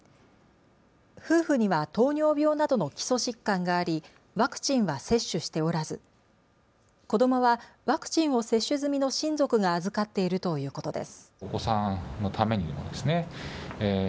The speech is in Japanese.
夫婦には糖尿病などの基礎疾患がありワクチンは接種しておらず子どもはワクチンを接種済みの親族が預かっているということです。